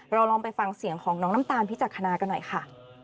ลองไปฟังเสียงของน้องน้ำตาลพิจักษณากันหน่อยค่ะ